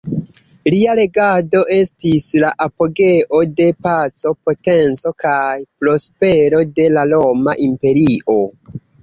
Lia regado estis la apogeo de paco potenco kaj prospero de la Roma imperio.